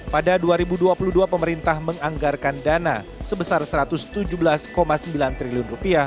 pada dua ribu dua puluh dua pemerintah menganggarkan dana sebesar rp satu ratus tujuh belas sembilan triliun